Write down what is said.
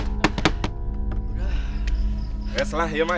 ya udah kakaknya sudah selesai